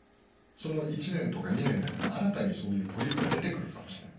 その１年とか２年の間に新たにそういうポリープが出てくるかもしれない。